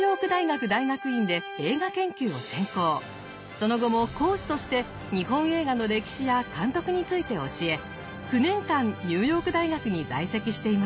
その後も講師として日本映画の歴史や監督について教え９年間ニューヨーク大学に在籍していました。